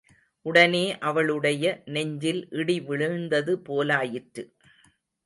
உடனே அவளுடைய நெஞ்சில் இடி விழுந்தது போலாயிற்று.